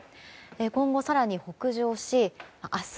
今後、更に北上し明日